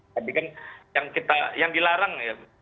tadi kan yang dilarang